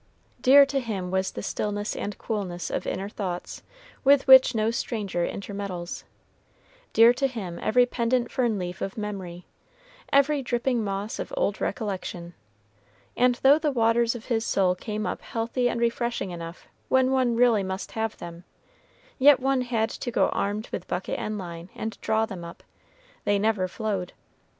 Dear to him was the stillness and coolness of inner thoughts with which no stranger intermeddles; dear to him every pendent fern leaf of memory, every dripping moss of old recollection; and though the waters of his soul came up healthy and refreshing enough when one really must have them, yet one had to go armed with bucket and line and draw them up, they never flowed.